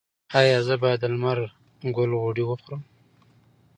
ایا زه باید د لمر ګل غوړي وخورم؟